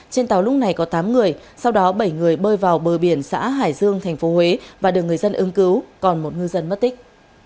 trên tàu lúc này có tám người sau đó bảy người bơi vào bờ biển xã hải dương tp huế và được người dân ứng cứu còn một ngư dân mất tích